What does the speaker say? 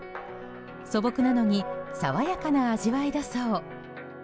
素朴なのに爽やかな味わいだそう。